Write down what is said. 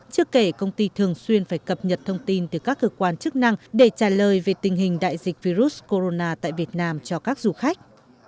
chưa kể công ty thường xuyên phải cập nhật thông tin từ các cơ quan chức năng để trả lời về tình hình đại dịch virus corona tại việt nam cho các du khách